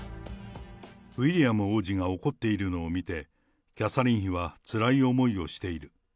ウィリアム王子が怒っているのを見て、キャサリン妃はつらい思いをしている。